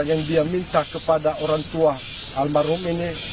yang dia minta kepada orang tua almarhum ini